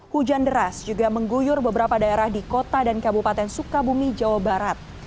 hujan deras juga mengguyur beberapa daerah di kota dan kabupaten sukabumi jawa barat